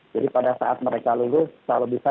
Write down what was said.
jadi pada saat mereka lulus selalu bisa